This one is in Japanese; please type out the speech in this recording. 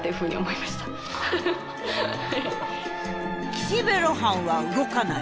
「岸辺露伴は動かない」。